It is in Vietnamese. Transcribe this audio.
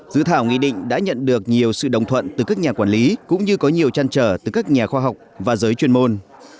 dự thảo nghị định đã nhận được nhiều sự đồng thuận từ các nhà quản lý cũng như có nhiều trăn trở từ các nhà khoa học và giới chuyên môn